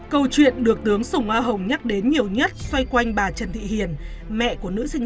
câu chuyện được tướng sùng a hồng nhắc đến nhiều nhất xoay quanh bà trần thị hiền mẹ của nữ sinh